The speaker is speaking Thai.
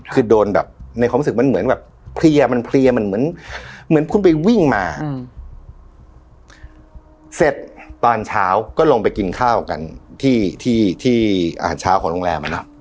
คือโดนแบบในความรู้สึกมันเหมือนแบบเพลียมันเพลียมันเหมือนเหมือนคุณไปวิ่งมาเสร็จตอนเช้าก็ลงไปกินข้าวกันที่ที่อ่านเช้าของโรงแรมอ่ะเนอะ